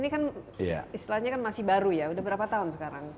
karena ini kan istilahnya kan masih baru ya sudah berapa tahun sekarang